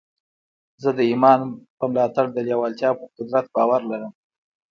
زه د ايمان پر ملاتړ د لېوالتیا پر قدرت باور لرم.